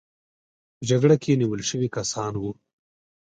په جګړه کې نیول شوي کسان وو.